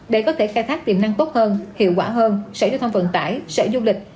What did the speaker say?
để có thể khai thác tiềm năng tốt hơn hiệu quả hơn sở giao thông vận tải sở du lịch